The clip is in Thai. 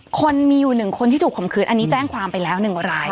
คนมีอยู่๑คนที่ถูกข่มขืนอันนี้แจ้งความไปแล้ว๑ราย